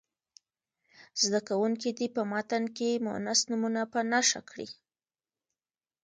زده کوونکي دې په متن کې مونث نومونه په نښه کړي.